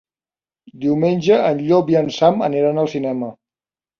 Diumenge en Llop i en Sam aniran al cinema.